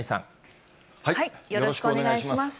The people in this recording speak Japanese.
よろしくお願いします。